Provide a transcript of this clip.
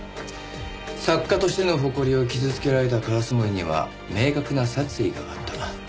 作家としての誇りを傷つけられた烏森には明確な殺意があった。